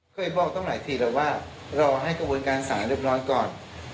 เคยบอกตั้งหลายทีแล้วว่ารอให้กระบวนการสารเรียบร้อยก่อน